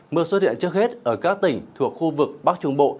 mưa xuất hiện trước hết ở các tỉnh thuộc khu vực bắc trung bộ